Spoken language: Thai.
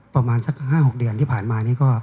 ประมาณสัก๕๖เดือนที่ผ่านมานี่ก็